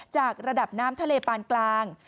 จากระดับน้ำทะเลปานกลาง